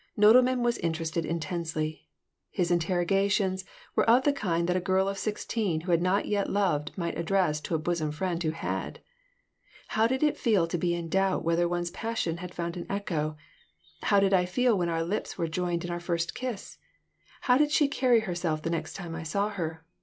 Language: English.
Nodelman was interested intensely. His interrogations were of the kind that a girl of sixteen who had not yet loved might address to a bosom friend who had. How does it feel to be in doubt whether one's passion had found an echo? How did I feel when our lips were joined in our first kiss? How did she carry herself the next time I saw her?